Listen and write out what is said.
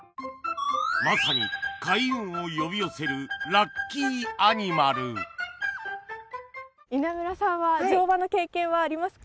まさに開運を呼び寄せる稲村さんは乗馬の経験はありますか？